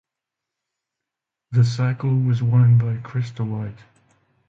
The cycle was won by Krista White.